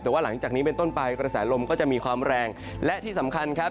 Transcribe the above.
แต่ว่าหลังจากนี้เป็นต้นไปกระแสลมก็จะมีความแรงและที่สำคัญครับ